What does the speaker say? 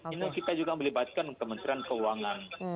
ini kita juga melibatkan kementerian keuangan